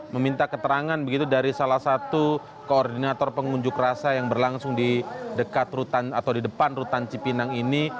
meminta keterangan begitu dari salah satu koordinator pengunjuk rasa yang berlangsung di depan rutan cipinang ini